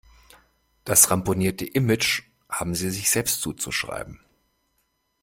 Das ramponierte Image haben sie sich selbst zuzuschreiben.